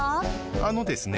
あのですね。